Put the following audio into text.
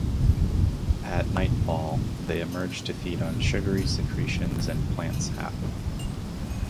At nightfall they emerge to feed on sugary secretions and plant sap.